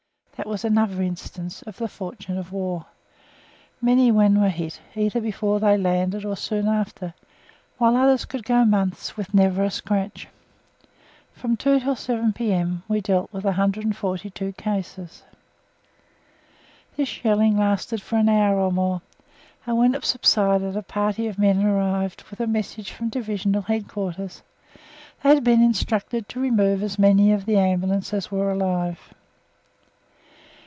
That was another instance of the fortune of war. Many men were hit, either before they landed or soon after, while others could go months with never a scratch. From 2 till 7 p.m. we dealt with 142 cases. This shelling lasted for an hour or more, and when it subsided a party of men arrived with a message from Divisional Headquarters. They had been instructed to remove as many of the Ambulance as were alive.